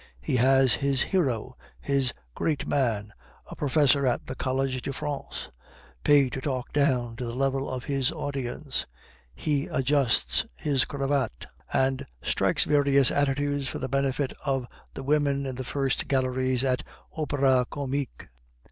He has his hero, his great man, a professor at the College de France, paid to talk down to the level of his audience. He adjusts his cravat, and strikes various attitudes for the benefit of the women in the first galleries at the Opera Comique.